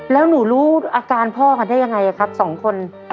แล้วหนูรู้อาการพ่อกันได้ยังไงครับสองคน